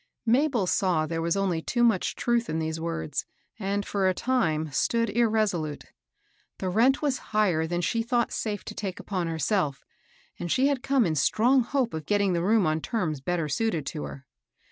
Mabel saw there was only too much truth in tiiese words, and, for a time, stood irresolute. The rent was higher than she thought safe to take upon herself, and she had come in strong hope of getting the room on terms better suited to her.